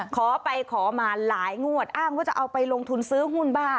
ขอไปขอมาหลายงวดอ้างว่าจะเอาไปลงทุนซื้อหุ้นบ้า